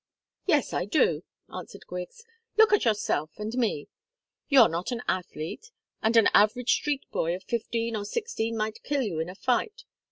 "Yes, I do," answered Griggs. "Look at yourself and at me. You're not an athlete, and an average street boy of fifteen or sixteen might kill you in a fight.